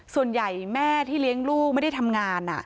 ส่วนใหญ่แม่ที่เลี้ยงลูกไม่ได้ทำงาน